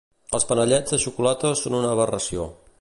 Els panellets de xocolata són una aberració.